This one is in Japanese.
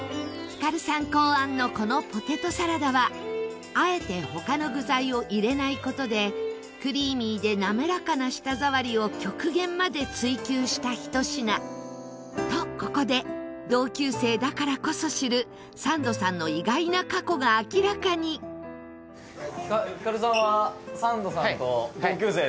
光さん考案のこのポテトサラダはあえて他の具材を入れない事でクリーミーで滑らかな舌触りを極限まで追求した、ひと品と、ここで同級生だからこそ知るサンドさんの意外な過去が明らかに宮田：光さんはサンドさんと同級生？